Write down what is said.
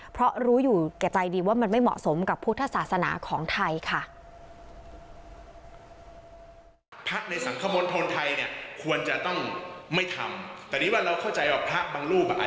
เพราะรู้อยู่แก่ใจดีว่ามันไม่เหมาะสมกับพุทธศาสนาของไทยค่ะ